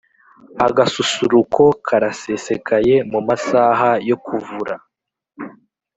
agasusuruko karasesekaye.mumasaha yokuvura